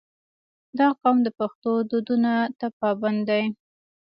• دا قوم د پښتو دودونو ته پابند دی.